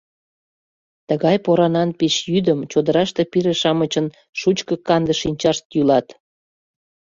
Тыгай поранан пич йӱдым чодыраште пире-шамычын шучко канде шинчашт йӱлат.